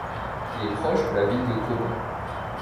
Il est proche de la ville de Colón.